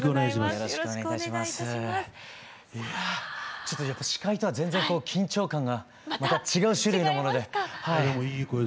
ちょっとやっぱ司会とは全然緊張感がまた違う種類のもので。